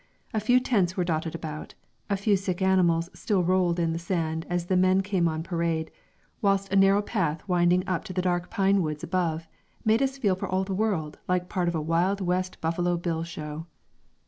A few tents were dotted about, a few sick animals still rolled in the sand as the men came on parade, whilst a narrow path winding up to the dark pine woods above made us feel for all the world like part of a Wild West Buffalo Bill show.